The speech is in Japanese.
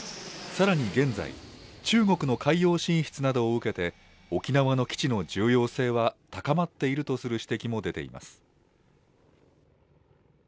さらに現在、中国の海洋進出などを受けて、沖縄の基地の重要性は高まっているとする指摘も出ています。